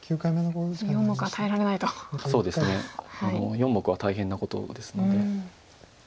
４目は大変なことですので。